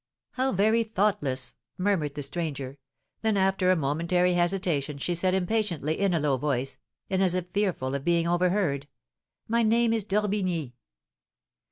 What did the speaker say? "How very thoughtless!" murmured the stranger. Then, after a momentary hesitation, she said, impatiently, in a low voice, and as if fearful of being overheard, "My name is D'Orbigny."